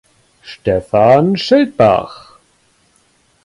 Stefan Schildbach.